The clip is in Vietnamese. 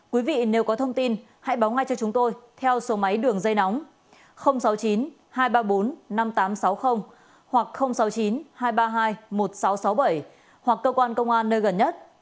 quý vị nếu có thông tin hãy báo ngay cho chúng tôi theo số máy đường dây nóng sáu mươi chín hai trăm ba mươi bốn năm nghìn tám trăm sáu mươi hoặc sáu mươi chín hai trăm ba mươi hai một nghìn sáu trăm sáu mươi bảy hoặc cơ quan công an nơi gần nhất